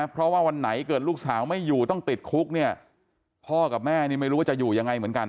เพราะว่าวันไหนเกิดลูกสาวไม่อยู่ต้องติดคุกเนี่ยพ่อกับแม่นี่ไม่รู้ว่าจะอยู่ยังไงเหมือนกัน